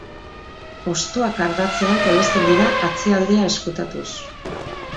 Hostoak ardatzean tolesten dira atzealdea ezkutatuz.